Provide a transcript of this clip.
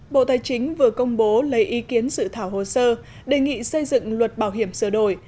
bộ tài chính vừa công bố lấy ý kiến sự thảo hồ sơ đề nghị xây dựng luật bảo hiểm sửa đổi